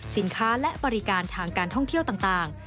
สินค้าและบริการทางการท่องเที่ยวต่าง